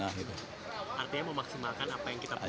artinya memaksimalkan apa yang kita pakai